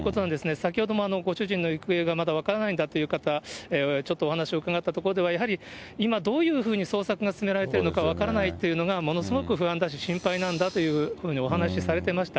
先ほどもご主人の行方がまだ分からないんだという方、ちょっとお話を伺ったところでは、やはり、今どういうふうに捜索が進められているのか分からないというのがものすごく不安だし、心配なんだというふうにお話されてました。